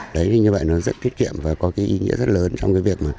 đấy như vậy nó rất thiết kiệm và có cái ý nghĩa rất lớn trong cái việc